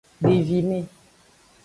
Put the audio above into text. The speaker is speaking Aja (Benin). Devime.